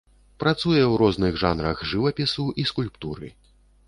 Працуе ў розных жанрах жывапісу і скульптуры.